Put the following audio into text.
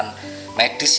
yang optimal untuk bintang